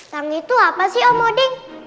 tang itu apa sih omoding